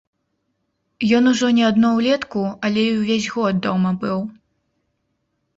Ён ужо не адно ўлетку, але і ўвесь год дома быў.